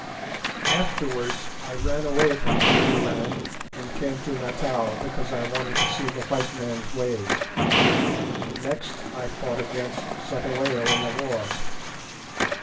Afterwards I ran away from Zululand and came to Natal because I wanted to see the white man's ways. Next I fought against Cetewayo in the war.